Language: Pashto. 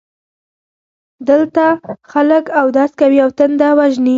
دلته خلک اودس کوي او تنده وژني.